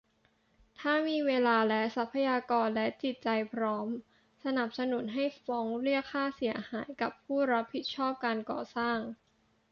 ถ้ามีเวลาและทรัพยากร และจิตใจพร้อม สนับสนุนให้ฟ้องเรียกค่าเสียหายกับผู้รับผิดชอบการก่อสร้าง